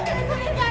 gak ada izzan